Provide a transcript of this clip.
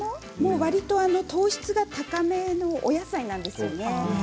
わりと糖質が高めのお野菜なんですよね。